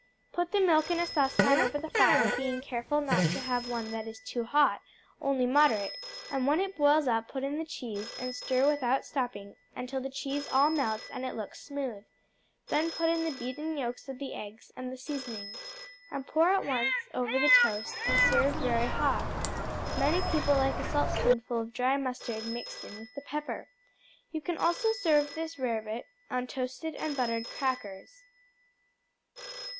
Put the milk in a saucepan over the fire, being careful not to have one that is too hot, only moderate, and when it boils up put in the cheese and stir without stopping, until the cheese all melts and it looks smooth. Then put in the beaten yolks of the eggs and the seasoning, and pour at once over the toast and serve very hot. Many people like a saltspoonful of dry mustard mixed in with the pepper. You can also serve this rarebit on toasted and buttered crackers.